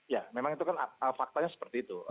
ya memang itu kan faktanya seperti itu